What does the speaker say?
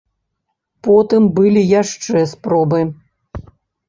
Потым былі яшчэ спробы.